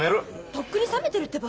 とっくに冷めてるってば。